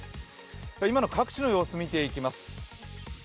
今の各地の様子、見ていきます。